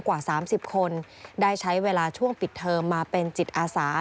กว่า๓๐คนได้ใช้เวลาช่วงปิดเทอมมาเป็นจิตอาสา